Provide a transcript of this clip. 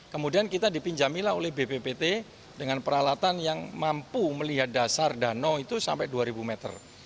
kemudian kita dipinjamilah oleh bppt dengan peralatan yang mampu melihat dasar danau itu sampai dua ribu meter